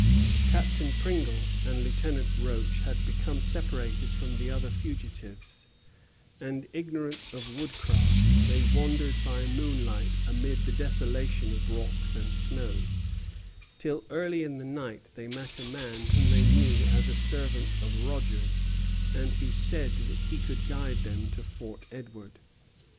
Captain Pringle and Lieutenant Roche had become separated from the other fugitives; and, ignorant of woodcraft, they wandered by moonlight amid the desolation of rocks and snow, till early in the night they met a man whom they knew as a servant of Rogers, and who said that he could guide them to Fort Edward.